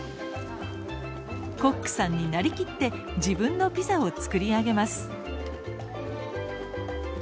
コックさんになりきって自分のピザを作り上げます。